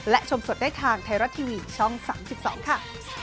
และชมสดได้ทางไทยรัฐทีวีช่อง๓๒ค่ะ